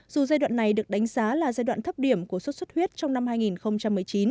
dù giai đoạn này được đánh giá là giai đoạn thấp điểm của sốt xuất huyết trong năm hai nghìn một mươi chín